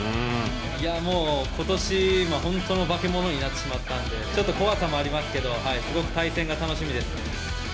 もう、ことし、本当の化け物になってしまったんで、ちょっと怖さもありますけど、すごく対戦が楽しみですね。